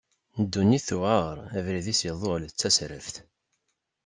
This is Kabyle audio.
Dunnit tuɛer, abrid-is iḍul d tasraft.